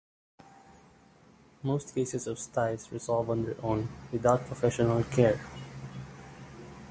Most cases of styes resolve on their own, without professional care.